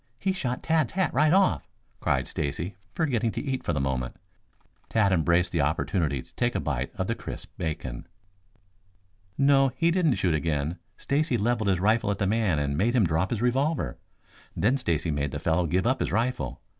He shot Tad's hat right off," cried Stacy, forgetting to eat for the moment. Tad embraced the opportunity to take a bite of the crisp bacon. "No, he didn't shoot again. Stacy leveled his rifle at the man and made him drop his revolver. Then Stacy made the fellow give up his rifle.